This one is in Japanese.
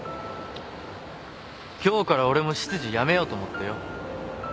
今日から俺も執事辞めようと思ってよ。